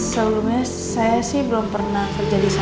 selumnya saya sih belum pernah kerja disana